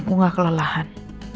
aku nggak kelelahan